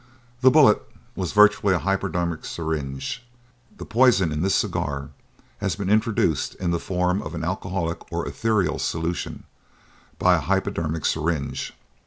"The bullet was virtually a hypodermic syringe; the poison in this cigar has been introduced, in the form of an alcoholic or ethereal solution, by a hypodermic syringe.